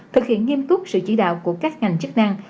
thực hiện nghiêm túc sự chỉ đạo của các ngành chức năng